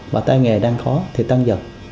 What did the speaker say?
và tai nghề đang khó thì tăng dần